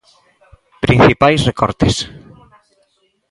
Principais recortes.